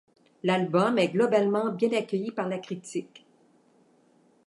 L'album est globalement bien accueilli par la critique.